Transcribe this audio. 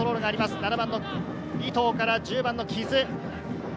７番の尾藤から１０番の木津。